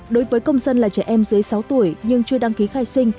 đối với công dân là trẻ em dưới sáu tuổi nhưng chưa đăng ký khai sinh